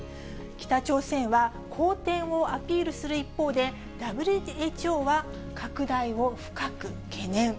北朝鮮は好転をアピールする一方で、ＷＨＯは、拡大を深く懸念。